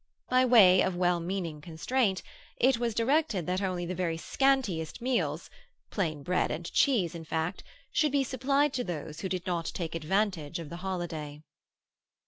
By way of well meaning constraint, it was directed that only the very scantiest meals (plain bread and cheese, in fact) should be supplied to those who did not take advantage of the holiday.